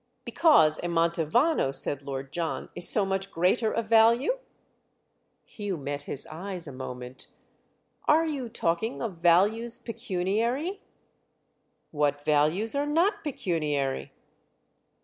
"Because a Mantovano," said Lord John, "is so much greater a value?" Hugh met his eyes a moment "Are you talking of values pecuniary?" "What values are not pecuniary?"